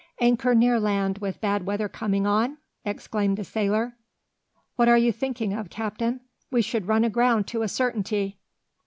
"Anchor near land, with bad weather coming on!" exclaimed the sailor. "What are you thinking of, captain? We should run aground to a certainty!"